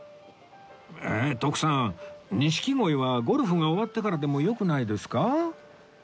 徳さん錦鯉はゴルフが終わってからでもよくないですか？